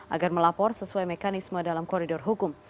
agar melapor sesuai mekanisme dalam koridor hukum